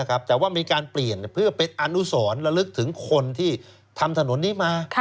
แต่ว่ามีการเปลี่ยนเพื่อเป็นอนุสรระลึกถึงคนที่ทำถนนนี้มา